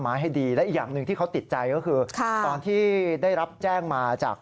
ให้ดีและอีกอย่างหนึ่งที่เขาติดใจก็คือค่ะตอนที่ได้รับแจ้งมาจาก